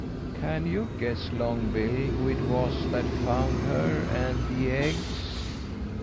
Can you guess, Longbill, who it was that found her and the eggs?"